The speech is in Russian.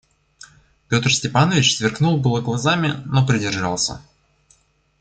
Петр Степанович сверкнул было глазами, но придержался.